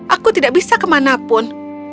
aku tidak bisa ke manapun